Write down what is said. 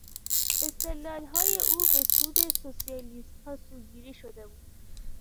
استدلالهای او به سود سوسیالیستها سوگیری شده بود.